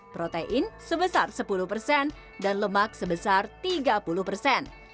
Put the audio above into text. protein sebesar sepuluh persen dan lemak sebesar tiga puluh persen